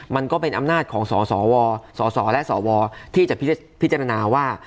มันก็เป็นอำนาจของสวที่จะพิจารณาว่า